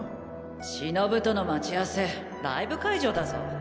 忍との待ち合わせライブ会場だぞ？